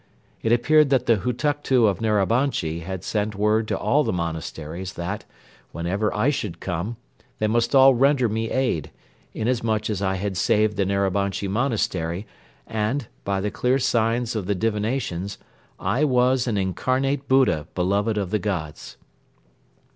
It appeared that the Hutuktu of Narabanchi had sent word to all the monasteries that, whenever I should come, they must all render me aid, inasmuch as I had saved the Narabanchi Monastery and, by the clear signs of the divinations, I was an incarnate Buddha beloved of the Gods.